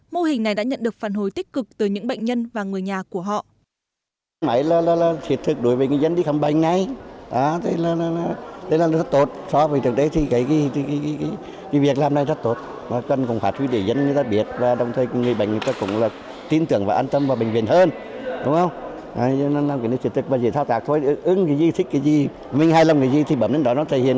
mô hình này đã nhận được phản hồi tích cực từ những bệnh nhân và người nhà của họ